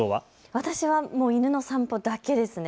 私はもう犬の散歩だけですね。